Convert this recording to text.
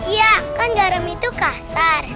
ya kan garam itu kasar